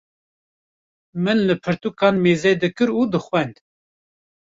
min li pirtûkan mêze dikir û dixwend.